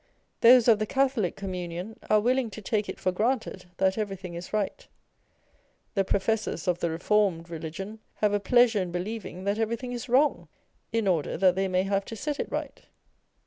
Those of the Catholic Communion are willing to take it for granted that everything is right ; the professors of the Reformed religion have a pleasure in believing that everything is wrong, in order that they may have to set it right.